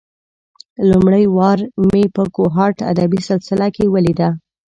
لومړۍ وار مې په کوهاټ ادبي سلسله کې ولېده.